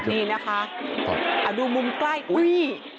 นี่นะคะดูมุมใกล้อุ้ย